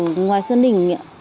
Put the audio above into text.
của ngoài xuân đỉnh